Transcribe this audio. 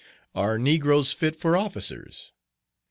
"Are Negroes fit for Officers?"